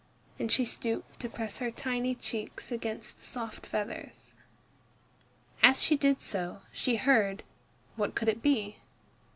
and she stooped to press her tiny cheeks against the soft feathers. As she did so, she heard what could it be?